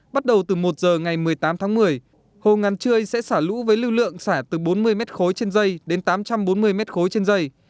bắt đầu từ một giờ ngày một mươi tám tháng một mươi hồ ngàn trươi sẽ xả lũ với lưu lượng xả từ bốn mươi mét khối trên dây đến tám trăm bốn mươi mét khối trên dây